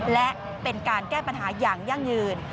และเป็นการแก้ปัญหาอย่างยั่งยืน